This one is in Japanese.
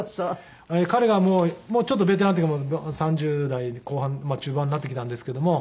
彼がもうちょっとベテランというか３０代後半まあ中盤になってきたんですけども。